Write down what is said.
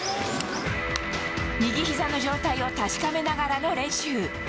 右ひざの状態を確かめながらの練習。